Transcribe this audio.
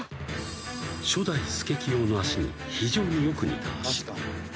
［初代スケキヨの足に非常によく似た足］